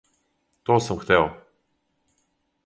То сам хтео!